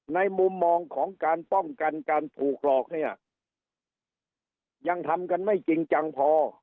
มุมมองของการป้องกันการถูกหลอกเนี่ยยังทำกันไม่จริงจังพอ